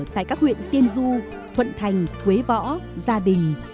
tại các huyện tiên du thuận thành quế võ gia bình